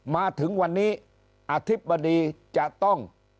มาถึงวันนี้อธิบดีจะต้อง